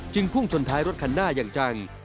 พุ่งชนท้ายรถคันหน้าอย่างจัง